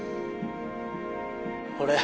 俺